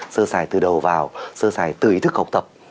sơ xài từ đầu vào sơ sài từ ý thức học tập